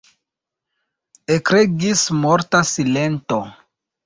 Ekregis morta silento.